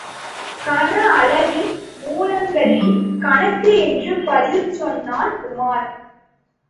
கனஅளவின் மூலங்களின் கணக்கு என்று பதில் சொன்னான் உமார்.